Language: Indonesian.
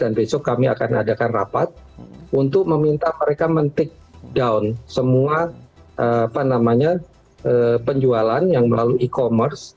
dan besok kami akan adakan rapat untuk meminta mereka men take down semua apa namanya penjualan yang melalui e commerce